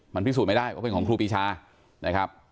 มันพิสูจน์ไม่ได้ว่าเป็นของครูปีชานะครับ